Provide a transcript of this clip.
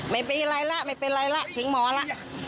ไม่เป็นไรล่ะไม่เป็นไรล่ะทิ้งหมอล่ะ